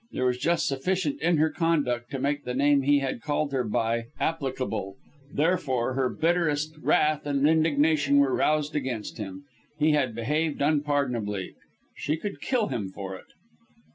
There was just sufficient in her conduct to make the name he had called her by applicable therefore her bitterest wrath and indignation were aroused against him. He had behaved unpardonably. She could kill him for it.